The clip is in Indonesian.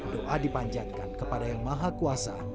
doa dipanjatkan kepada yang maha kuasa